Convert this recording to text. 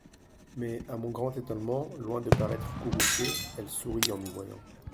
Mais, à mon grand étonnement, Loin de paraître courroucée Elle sourit en nous voyant !